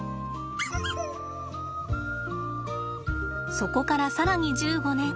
そこから更に１５年。